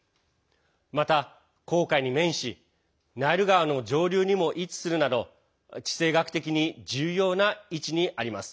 また紅海に面しナイル川の上流にも位置するなど地政学的に重要な位置にあります。